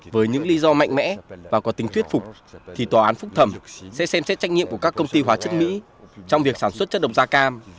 với những lý do mạnh mẽ và có tính thuyết phục thì tòa án phúc thẩm sẽ xem xét trách nhiệm của các công ty hóa chất mỹ trong việc sản xuất chất độc da cam